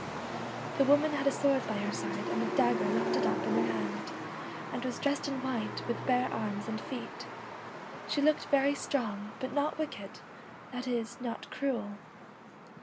The woman had a sword by her side and a dagger lifted up in her hand, and was dressed in white, with bare arms and feet. She looked 'very strong, but not wicked,' that is, not cruel.